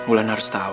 ulan harus tau